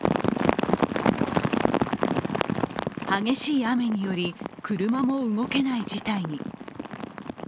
激しい雨により車も動けない事態に。